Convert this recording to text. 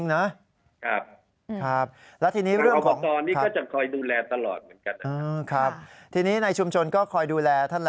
คนที่๓อยู่สุทธิพย์คนที่๔อยู่สุทธิพย์คนที่๔อยู่สุทธิพย์